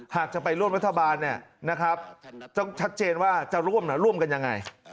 หากจะไปร่วมรัฐบาลต้องชัดเจนว่าจะร่วมร่วมกันยังไง